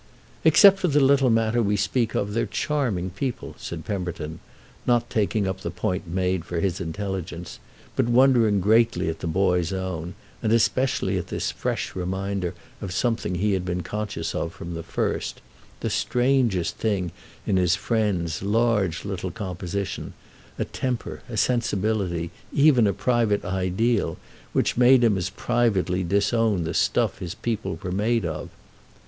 "Except for the little matter we speak of they're charming people," said Pemberton, not taking up the point made for his intelligence, but wondering greatly at the boy's own, and especially at this fresh reminder of something he had been conscious of from the first—the strangest thing in his friend's large little composition, a temper, a sensibility, even a private ideal, which made him as privately disown the stuff his people were made of.